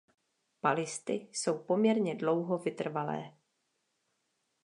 Palisty jsou poměrně dlouho vytrvalé.